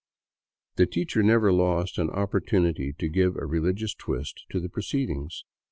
The teacher never lost an opportunity to give a religious twist to the proceedings.